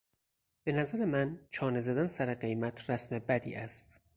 به نظر من چانه زدن سر قیمت رسم بدی است.